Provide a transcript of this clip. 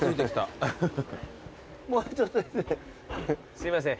すいません。